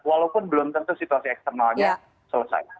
walaupun belum tentu situasi eksternalnya selesai